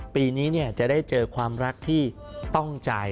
ปีนี้จะได้เจอความรักที่ต้องจ่าย